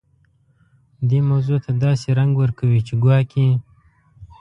دې موضوع ته داسې رنګ ورکوي چې ګواکې.